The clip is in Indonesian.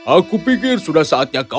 aku pikir sudah saatnya kau